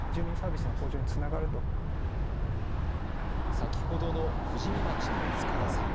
先ほどの富士見町の塚田さん。